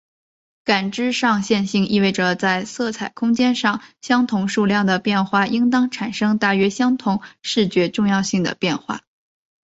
感知上线性意味着在色彩空间上相同数量的变化应当产生大约相同视觉重要性的变化。